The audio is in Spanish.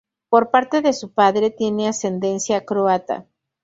Por parte de su padre tiene ascendencia croata.